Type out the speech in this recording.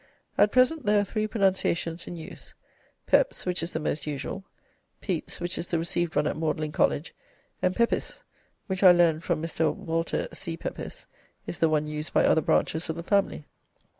At present there are three pronunciations in use Peps, which is the most usual; Peeps, which is the received one at Magdalene College, and Peppis, which I learn from Mr. Walter C. Pepys is the one used by other branches of the family.